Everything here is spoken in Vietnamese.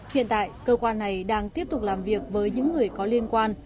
hiện tại cơ quan này đang tiếp tục làm việc với những người có liên quan